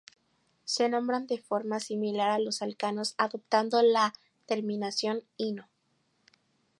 Se nombran de forma similar a los alcanos adoptando la terminación "-ino".